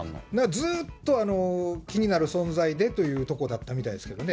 ずっと気になる存在でというところだったみたいですけどね。